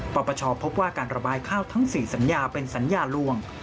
ปปชพบว่าการระบายข้าวทั้ง๔สัญญาเป็นสัญญาลวง